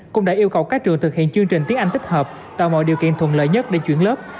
cũng đã yêu cầu các trường thực hiện chương trình tiếng anh tích hợp tạo mọi điều kiện thuận lợi nhất để chuyển lớp